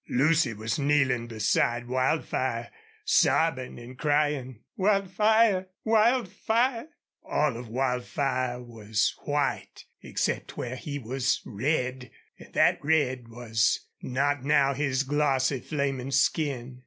Lucy was kneeling beside Wildfire, sobbing and crying: "Wildfire! Wildfire!" All of Wildfire was white except where he was red, and that red was not now his glossy, flaming skin.